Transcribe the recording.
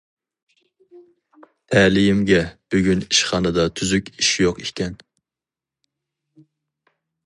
تەلىيىمگە بۈگۈن ئىشخانىدا تۈزۈك ئىش يوق ئىكەن.